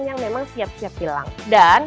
yang memang siap siap hilang dan